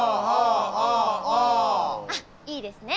あっいいですね。